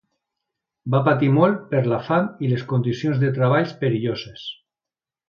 Va patir molt per la fam i les condicions de treball perilloses.